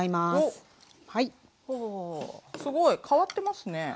すごい変わってますね。